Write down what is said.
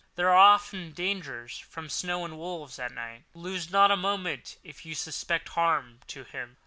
There are often dangers from snow and wolves and night. Lose not a moment if you suspect harm to him.